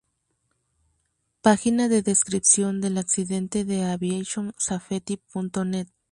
Página de descripción del accidente de Aviation Safety.net